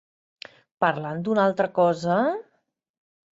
Parlant d'una altra cosa...